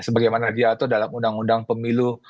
sebagaimana dia atau dalam undang undang pemilu